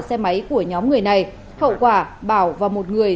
xe máy của nhóm người này hậu quả bảo và một người